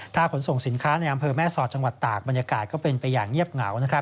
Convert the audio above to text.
ถ้าขนส่งสินค้าในอำเภอแม่สอดจังหวัดตากบรรยากาศก็เป็นไปอย่างเงียบเหงา